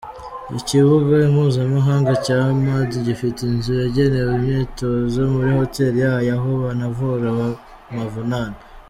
Ikibuga Mpuzamahanga cya Hamad gifite inzu yagenewe imyitozo muri hoteli yayo aho banavura amavunane.